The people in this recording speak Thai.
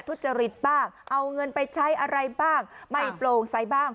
ทุจริตบ้างเอาเงินไปใช้อะไรบ้างไม่โปร่งใสบ้าง